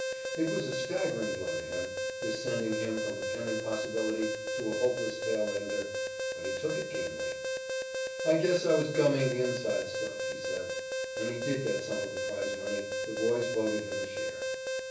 It was a staggering blow to him, this sending him from a pennant possibility to a hopeless tail ender, but he took it gamely. "I guess I was 'gumming' the inside stuff," he said. And he did get some of the prize money. The boys voted him a share.